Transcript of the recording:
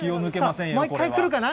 もう一回来るかな。